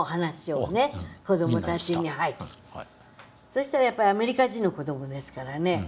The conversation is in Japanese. そしたらやっぱりアメリカ人の子どもですからね